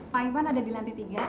pak iwan ada di lantai tiga